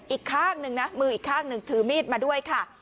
อีกข้างหนึ่งนะมืออีกข้างหนึ่งถือมีดมาด้วยค่ะ